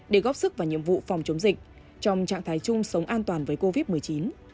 để góp sức và nhiệm vụ phòng chống dịch trong trạng thái chung sống an toàn với covid một mươi chín